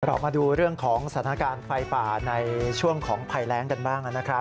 เรามาดูเรื่องของสถานการณ์ไฟป่าในช่วงของภัยแรงกันบ้างนะครับ